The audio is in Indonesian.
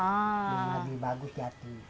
yang lebih bagus jati